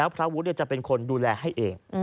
พระวุฒิจะเป็นคนดูแลให้เอง